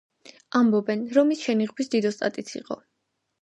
ამბობენ, რომ ის შენიღბვის დიდოსტატიც იყო.